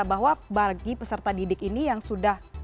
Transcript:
bahwa bagi peserta didik ini yang sudah